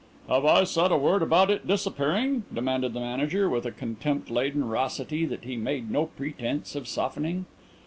"Have I said a word about it disappearing?" demanded the Manager, with a contempt laden raucity that he made no pretence of softening.